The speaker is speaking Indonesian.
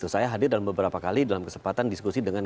saya hadir dalam beberapa kali dalam kesempatan diskusi dengan